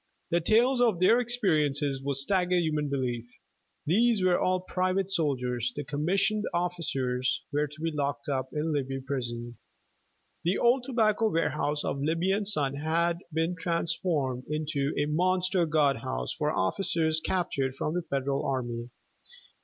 The tales of their experiences would stagger human belief. These were all private soldiers; the commissioned officers were to be locked up in Libby Prison. The old tobacco warehouse of Libby & Son had been transformed into a monster guardhouse for officers captured from the Federal army.